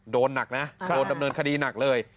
โดนหนักนะโดนดำเนินคดีหนักเลย